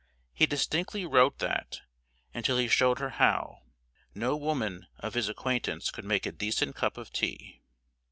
He distinctly wrote that, until he showed her how, no woman of his acquaintance could make a decent cup of tea.